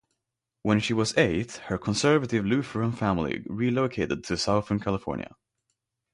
When she was eight, her conservative Lutheran family relocated to Southern California.